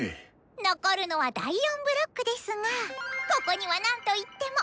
残るのは第４ブロックですがここにはなんといっても！